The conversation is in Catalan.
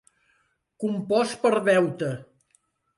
Compost per deute.